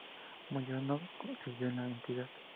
Muñoz no siguió en la entidad.